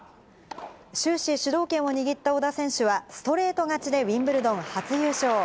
終始、主導権を握った小田選手はストレート勝ちでウィンブルドン初優勝。